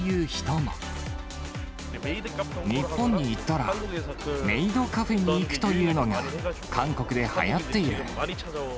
日本に行ったら、メイドカフェに行くというのが韓国ではやっている。